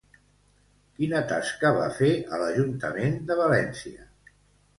Quina tasca va fer a l'Ajuntament de València?